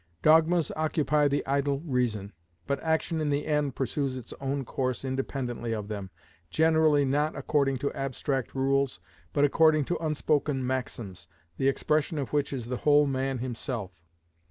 Dogmas occupy the idle reason; but action in the end pursues its own course independently of them, generally not according to abstract rules, but according to unspoken maxims, the expression of which is the whole man himself.